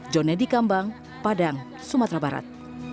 jon eddy kambang padang sumatera barat